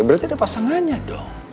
berarti ada pasangannya dong